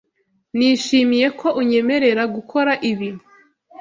Nishimiye ko unyemerera gukora ibi.